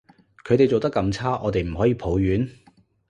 佢哋做得咁差，我哋唔可以抱怨？